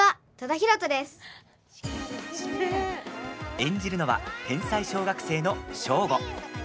演じるのは天才小学生のショーゴ。